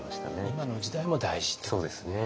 今の時代も大事っていうことですね。